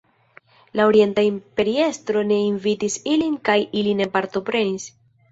La orienta imperiestro ne invitis ilin kaj ili ne partoprenis.